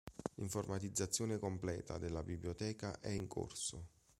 L’informatizzazione completa della biblioteca è in corso.